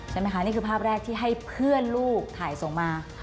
ใช่ไหมคะนี่คือภาพแรกที่ให้เพื่อนลูกถ่ายส่งมา